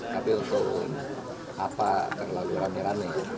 tapi untuk apa terlalu rame rame